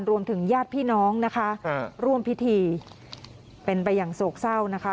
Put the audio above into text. ญาติพี่น้องนะคะร่วมพิธีเป็นไปอย่างโศกเศร้านะคะ